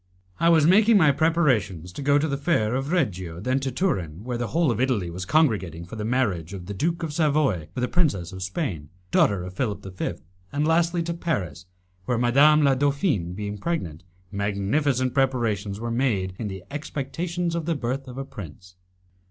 I was making my preparations to go to the Fair of Reggio, then to Turin, where the whole of Italy was congregating for the marriage of the Duke of Savoy with a princess of Spain, daughter of Philip V., and lastly to Paris, where, Madame la Dauphine being pregnant, magnificent preparations were made in the expectation of the birth of a prince.